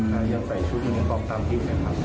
ถ้าใช้ชุดของนี่ก็ตามที่ไหนครับ